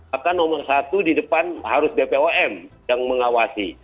maka nomor satu di depan harus bpom yang mengawasi